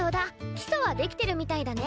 基礎はできてるみたいだね。